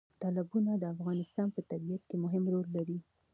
تالابونه د افغانستان په طبیعت کې مهم رول لري.